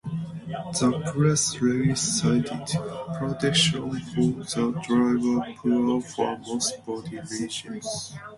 The press release cited: Protection for the driver poor for most body regions.